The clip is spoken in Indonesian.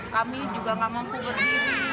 kami juga gak mampu berdiri